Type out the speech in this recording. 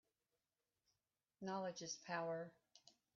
Knowledge is power